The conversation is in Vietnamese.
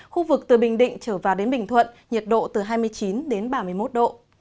khu vực từ bình định trở vào đến bình thuận nhiệt độ từ hai mươi chín đến ba mươi một độ